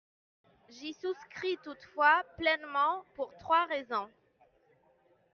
J’y souscris toutefois pleinement, pour trois raisons.